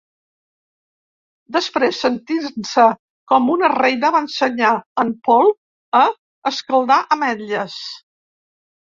Després, sentint-se com una reina, va ensenyar en Paul a escaldar ametlles.